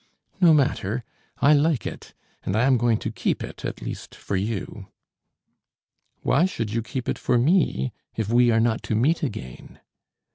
"No matter; I like it, and I am going to keep it at least for you." "Why should you keep it for me? if we are not to meet again?"